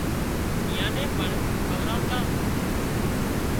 ايئان نين پڻ کوَراوتا